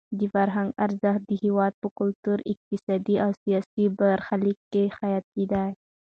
د فرهنګ ارزښت د هېواد په کلتوري، اقتصادي او سیاسي برخلیک کې حیاتي دی.